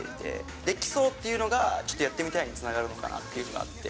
できそうっていうのがちょっと、やってみたいにつながるのかなというのがあって。